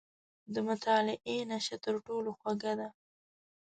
• د مطالعې نیشه تر ټولو خوږه ده.